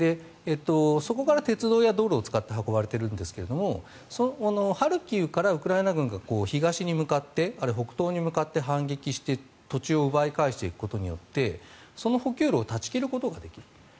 そこから鉄道や道路を使って運ばれているんですがハルキウからウクライナ軍が東に向かってあるいは北東に向かって反撃して、土地を奪い返していくことによってその補給路を断ち切ることができる。